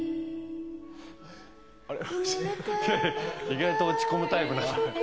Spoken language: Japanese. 意外と落ち込むタイプ。